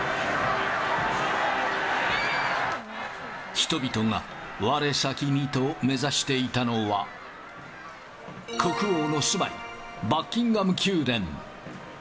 人々がわれさきにと目指していたのは、国王の住まい、バッキンガム宮殿。